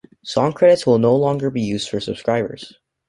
Song credits will no longer be used for subscribers.